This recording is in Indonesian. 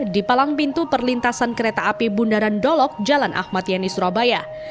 di palang pintu perlintasan kereta api bundaran dolok jalan ahmad yani surabaya